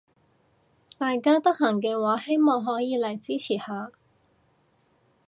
大家得閒嘅話希望可以嚟支持下